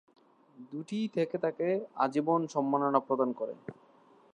দুটিই থেকেই তাকে আজীবন সম্মাননা প্রদান করে।